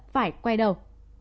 phải quay đầu